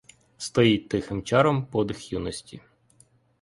Стоїть тихим чаром подих юності.